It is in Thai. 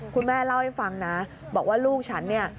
คุณแม่เล่าให้ฟังนะบอกว่าลูกฉันเนี่ย